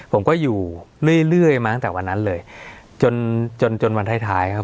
ผมก็อยู่เรื่อยเรื่อยมาตั้งแต่วันนั้นเลยจนจนจนวันท้ายท้ายครับ